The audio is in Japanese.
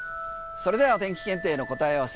それではお天気検定の答え合わせ